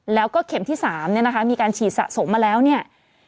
แล้วก็เข็มที่๓มีการฉีดสะสมมาแล้วเนี่ย